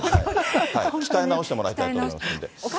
鍛え直してもらいたいと思いますので。